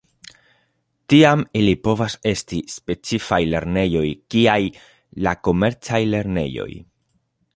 Tiam ili povas esti specifaj lernejoj kiaj la komercaj lernejoj.